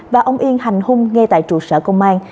và ông yên hành hung ngay tại trụ sở công an